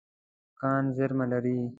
کان زیرمه لري.